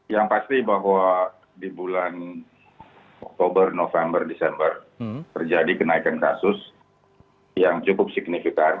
yang pasti bahwa di bulan oktober november desember terjadi kenaikan kasus yang cukup signifikan